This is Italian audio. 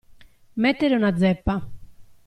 Mettere una zeppa.